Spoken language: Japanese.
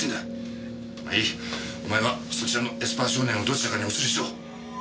お前はそちらのエスパー少年をどちらかにお連れしろ！